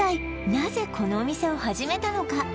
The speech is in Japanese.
なぜこのお店を始めたのか？